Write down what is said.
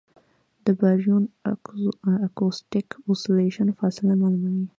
د باریون اکوسټک اوسیلیشن فاصله معلوموي.